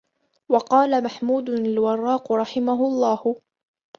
وَقَالَ مَحْمُودٌ الْوَرَّاقُ رَحِمَهُ اللَّهُ